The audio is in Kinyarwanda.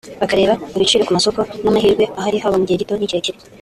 bakareba ibiciro ku masoko n’amahirwe ahari haba mu gihe gito n’ikirekire